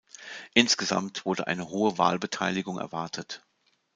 Insgesamt wurde eine hohe Wahlbeteiligung erwartet.